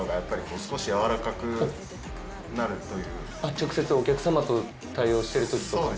直接お客様と対応してる時とかに？